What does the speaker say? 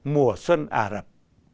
mùa xuân ả rập